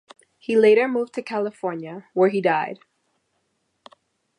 He later moved to California where he died.